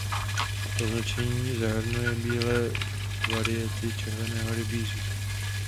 Označení zahrnuje bílé variety červeného rybízu.